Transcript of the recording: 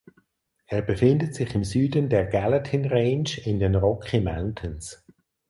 Er befindet sich im Süden der Gallatin Range in den Rocky Mountains.